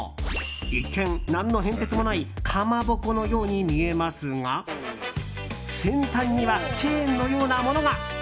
一見、何の変哲もないかまぼこのように見えますが先端にはチェーンのようなものが。